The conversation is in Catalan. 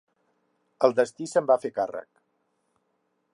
El destí se'n va fer càrrec.